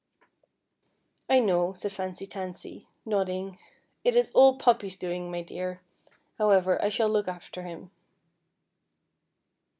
" I know," said Fancy Tansy, nodding, " it is all Poppy's doing, my dear ; however, I shall look after him."